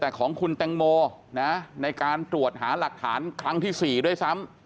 แต่ของคุณแตงโมนะในการตรวจหาหลักฐานครั้งที่๔ด้วยซ้ำ